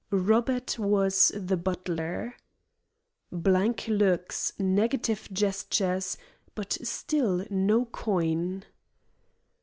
Robert was the butler. Blank looks, negative gestures, but still no coin.